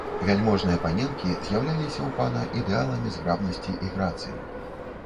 Вяльможныя паненкі з'яўляліся ў пана ідэаламі зграбнасці і грацыі.